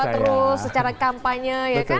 terus secara kampanye ya kan